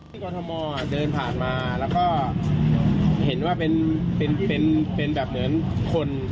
กรทมเดินผ่านมาแล้วก็เห็นว่าเป็นแบบเหมือนคน